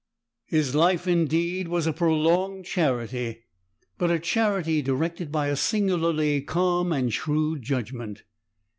His life, indeed, was a prolonged charity, but a charity directed by a singularly calm and shrewd judgment.